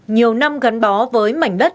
nhiều năm gắn bó với mảnh đất